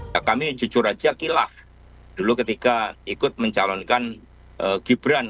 sejujur saja kilah dulu ketika ikut mencalonkan gibran